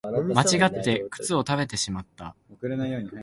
間違って靴を食べてしまった